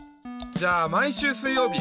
じゃあ毎週水曜日。